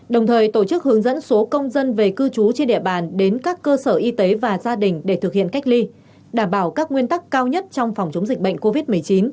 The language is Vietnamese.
đồng thời tổ chức hướng dẫn số công dân về cư trú trên địa bàn đến các cơ sở y tế và gia đình để thực hiện cách ly đảm bảo các nguyên tắc cao nhất trong phòng chống dịch bệnh covid một mươi chín